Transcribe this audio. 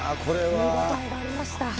見応えがありました。